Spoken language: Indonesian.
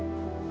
aku bisa sembuh